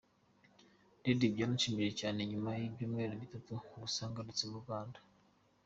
Dady: Byaranshimishije cyane nyuma y’ibyumweru bitatu gusa ngarutse mu Rwanda.